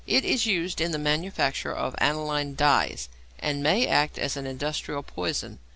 It is used in the manufacture of aniline dyes, and may act as an industrial poison.